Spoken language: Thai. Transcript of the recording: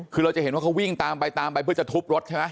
คือเราจะเห็นว่าเขาวิ่งตามไปตามไปเพื่อจะทุบรถใช่ไหม